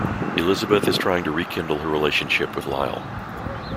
Elizabeth is trying to rekindle her relationship with Lyle.